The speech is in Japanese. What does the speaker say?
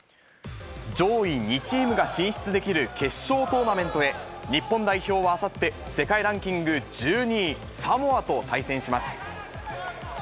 上位２チームが進出できる決勝トーナメントへ、日本代表はあさって、世界ランキング１２位、サモアと対戦します。